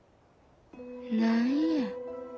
何や。